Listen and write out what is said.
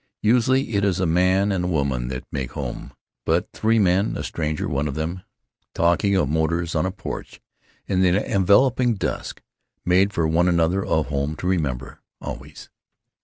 Usually it is a man and a woman that make home; but three men, a stranger one of them, talking of motors on a porch in the enveloping dusk, made for one another a home to remember always.